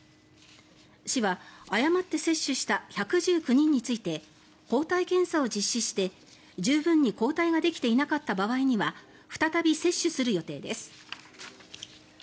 市は誤って接種した１１９人について抗体検査を実施して十分に抗体ができていなかった場合には再び接種する予定です。